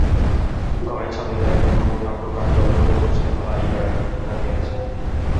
ঘরের ছাদ হইতে একটা মোটা প্রকাণ্ড লৌহশৃঙ্খল ইঁদারার মধ্যে নামিয়া গেছে।